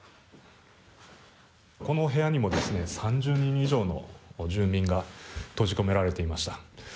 この部屋にも３０人以上の住民が閉じ込められていました。